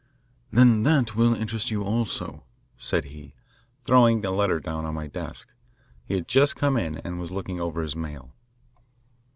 "Then that will interest you, also," said he, throwing a letter down on my desk. He had just come in and was looking over his mail.